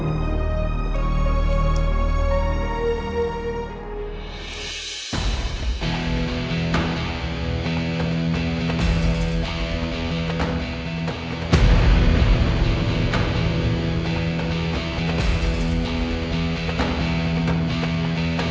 selamat mengalahi kamu